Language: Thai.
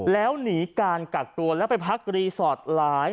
แล้วหนีการกักตัวแล้วไปพักรีสอร์ทหลาย